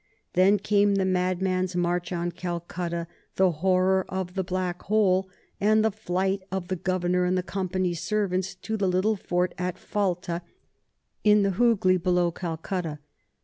Then came the madman's march on Calcutta, the horror of the Black Hole, and the flight of the Governor and the Company's servants to the little fort at Falta in the Hughli below Calcutta.